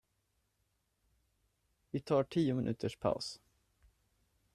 Vi tar tio minuters paus!